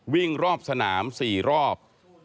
วิ่งรอบสนาม๔รอบ